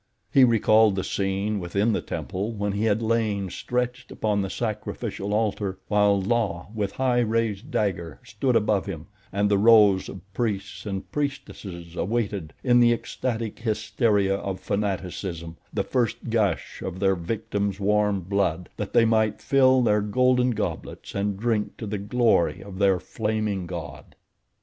He recalled the scene within the temple when he had lain stretched upon the sacrificial altar, while La, with high raised dagger, stood above him, and the rows of priests and priestesses awaited, in the ecstatic hysteria of fanaticism, the first gush of their victim's warm blood, that they might fill their golden goblets and drink to the glory of their Flaming God.